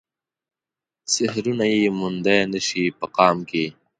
سحرونه يې موندای نه شي په قام کې